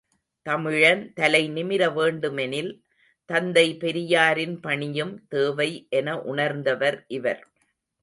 தமிழன் தலைநிமிர வேண்டுமெனில், தந்தை பெரியாரின் பணியும் தேவை என உணர்ந்தவர் இவர்.